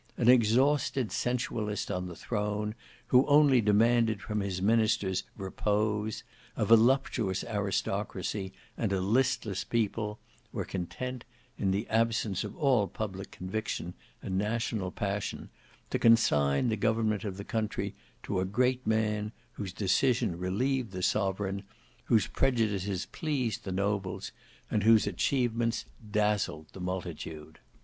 An exhausted sensualist on the throne, who only demanded from his ministers repose, a voluptuous aristocracy, and a listless people, were content, in the absence of all public conviction and national passion, to consign the government of the country to a great man, whose decision relieved the sovereign, whose prejudices pleased the nobles, and whose achievements dazzled the multitude.